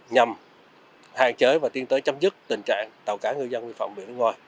nhằm hạn chế và tiến tới chấm dứt tình trạng tàu cá ngư dân biển phòng biển nước ngoài